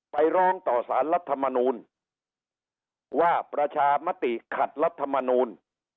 ไปร้องต่อสารรัฐมนูลว่าประชามติขัดรัฐมนูล